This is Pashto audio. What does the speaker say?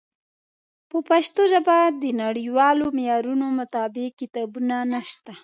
په پښتو ژبه د نړیوالو معیارونو مطابق کتابونه نشته.